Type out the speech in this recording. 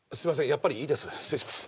やっぱりいいです失礼します